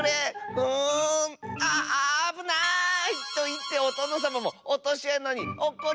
うんあっあぶない！』といっておとのさまもおとしあなにおっこっちゃいました。